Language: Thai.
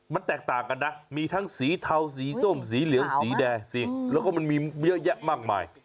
มันแตกต่างกันนะมีทั้งสีเทาสีส้มสีเหลืองสีแดงสิแล้วก็มันมีเยอะแยะมากมาย